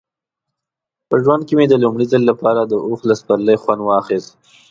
په ژوند کې مې د لومړي ځل لپاره د اوښ له سپرلۍ خوند واخیست.